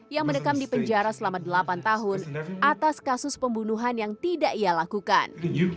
yang mendekam di penjara selama delapan tahun atas kasus pembunuhan yang tidak ia lakukan